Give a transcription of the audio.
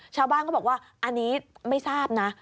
ชาวบ้านก็บอกว่าอันนี้ไม่ทราบนะ